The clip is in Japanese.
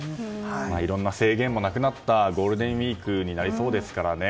いろんな制限もなくなったゴールデンウィークになりそうですからね。